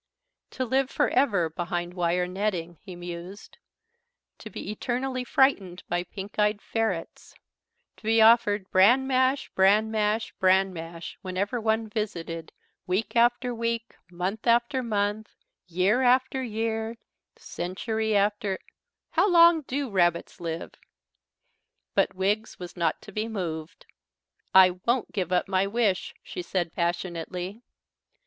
"To live for ever behind wire netting," he mused; "to be eternally frightened by pink eyed ferrets; to be offered bran mash bran mash bran mash wherever one visited week after week, month after month, year after year, century after how long do rabbits live?" But Wiggs was not to be moved. "I won't give up my wish," she said passionately.